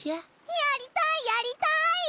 やりたいやりたい。